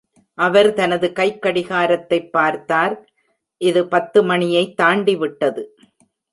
அவர் தனது கைக்கடிகாரத்தைப் பார்த்தார், "இது பத்து மணியைத் தாண்டிவிட்டது".